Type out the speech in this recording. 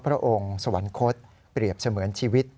พระองค์สวรรคตเปรียบเสมือนชีวิต